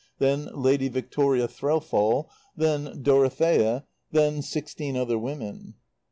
Then Lady Victoria Threlfall. Then Dorothea. Then sixteen other women.